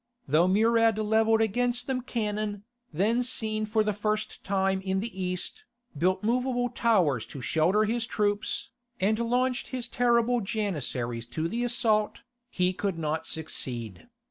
Though Murad levelled against them cannon, then seen for the first time in the East, built movable towers to shelter his troops, and launched his terrible Janissaries to the assault, he could not succeed.